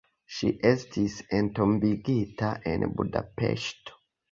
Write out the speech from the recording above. Ŝi estis entombigita en Budapeŝto.